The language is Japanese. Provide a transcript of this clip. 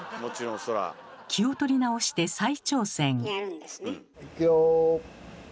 気を取り直して再挑戦。